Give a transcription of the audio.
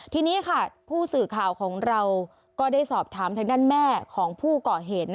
ทีนี้ค่ะผู้สื่อข่าวของเราก็ได้สอบถามทางด้านแม่ของผู้ก่อเหตุ